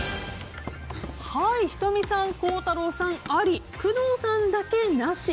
仁美さん、孝太郎さん、あり工藤さんだけ、なし。